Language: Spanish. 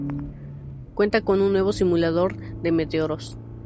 Cuenta con un nuevo simulador de meteoros.